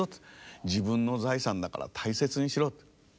自分の財産だから大切にしろ」と。